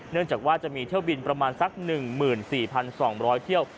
เนื่องจากว่าจะมีเที่ยวบินประมาณสัก๑หมื่น๔๒๐๐เที่ยว